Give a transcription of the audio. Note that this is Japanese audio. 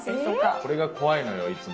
これが怖いのよいつも。